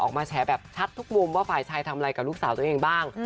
ออกมาแฉแบบชัดทุกมุมว่าฝ่ายชายทำอะไรกับลูกสาวตัวเองบ้าง